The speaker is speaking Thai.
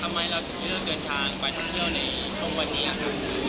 ทำไมเราถึงเลือกเดินทางไปท่องเที่ยวในช่วงวันนี้ครับ